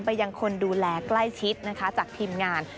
ยังคนดูแลใกล้ชิดนะคะจากทีมงาน